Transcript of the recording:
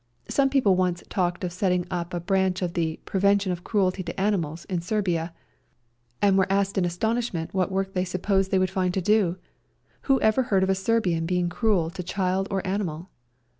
Some people once talked of setting up a branch of the " Prevention of Cruelty to Animals" in Serbia, and were A SERBIAN AMBULANCE 41 asked in astonishment what work they supposed they would find to do ; who ever heard of a Serbian being cruel to child or animal